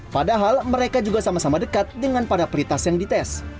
padahal mereka juga sama sama dekat dengan para peritas yang dites